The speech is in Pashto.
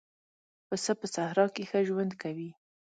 پسه په صحرا کې ښه ژوند کوي.